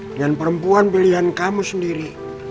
dengan perempuan pilihan kamu sendiri